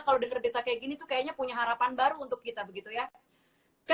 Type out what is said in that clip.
kalau dengar berita kayak gini tuh kayaknya punya harapan baru untuk kita begitu ya